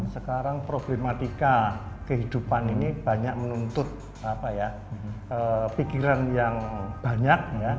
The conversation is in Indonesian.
sekarang problematika kehidupan ini banyak menuntut pikiran yang banyak